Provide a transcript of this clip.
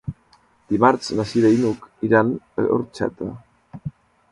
Dimarts na Cira i n'Hug iran a Orxeta.